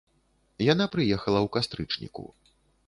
Яна прыехала ў кастрычніку.